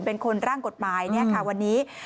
เป็นคนร่างกฎหมายเนี่ยค่ะวันนี้